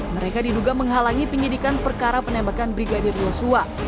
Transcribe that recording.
mereka diduga menghalangi penyidikan perkara penembakan brigadir yoso hota